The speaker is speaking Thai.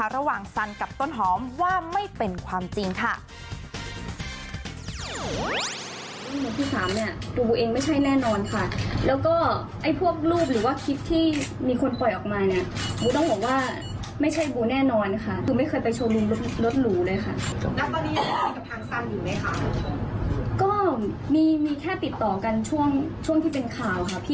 สันกับต้นหอมว่าไม่เป็นความจริงค่ะ